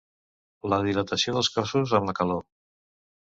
La dilatació dels cossos amb la calor.